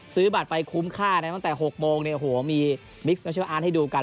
ซื้อบัตรไปคุ้มค่าเนี่ยตั้งแต่หกโมงเนี่ยโหมีให้ดูกัน